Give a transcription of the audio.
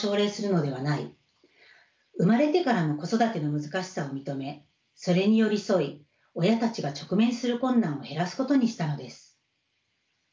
生まれてからの子育ての難しさを認めそれに寄り添い親たちが直面する困難を減らすことにしたのです。